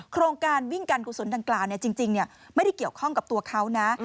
โครงการวิ่งการกุศลดังกล่าวจริงไม่ได้เกี่ยวข้องกับตัวเขานะ